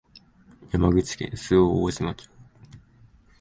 山口県周防大島町